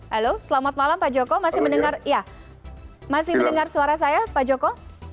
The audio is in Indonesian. halo selamat malam pak joko masih mendengar suara saya pak joko